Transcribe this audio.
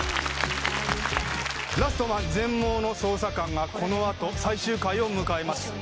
「ラストマン−全盲の捜査官−」がこのあと最終回を迎えます